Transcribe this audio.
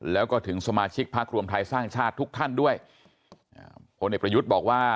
แล้วก็ถึงสมาชิกพักรวมไทยสร้างชาติทุกท่านด้วยพลเอกประยุทธ์บอกว่า